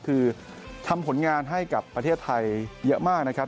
คือทำผลงานให้กับประเทศไทยเยอะมากนะครับ